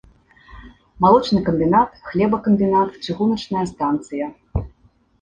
Малочны камбінат, хлебакамбінат, чыгуначная станцыя.